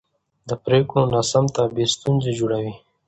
د پرېکړو ناسم تعبیر ستونزې جوړوي